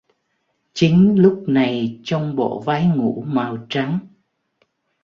Chính lúc này trong bộ váy ngủ màu trắng